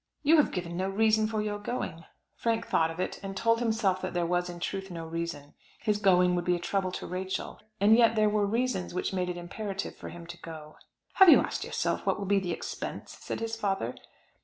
"You have given no reason for your going." Frank thought of it, and told himself that there was in truth no reason. His going would be a trouble to Rachel, and yet there were reasons which made it imperative for him to go. "Have you asked yourself what will be the expense?" said his father.